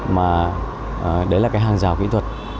mà đấy là cái hàng rào kỹ thuật